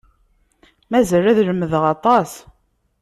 Mazal ad lemdeɣ aṭas.